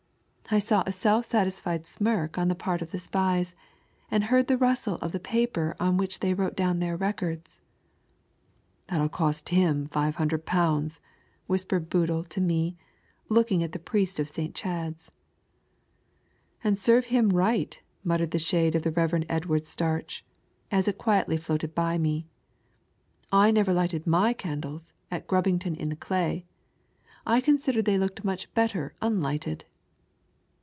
I saw, a self satisfied smirk on the part of the spies, and heard tho rustle of the paper on which they wrote down their remarks. "That'll coat him i£500," whispered Boodle to me, looking at the priest of St. Chad's, " And serve him right," muttered the shade of the Rev. Edward Starch as it quietly floated by me, " I never lighted my candles at Grubbington in the Clay. I considered they looked much better on lighted."